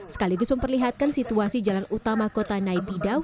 sekaligus memperlihatkan situasi jalan utama kota naibidaw